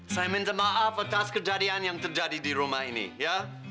saya minta maaf atas kejadian yang terjadi di rumah ini ya